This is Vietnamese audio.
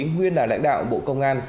nguyên là lãnh đạo bộ công an